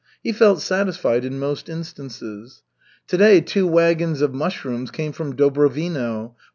He felt satisfied in most instances. "To day two wagons of mushrooms came from Dubrovino.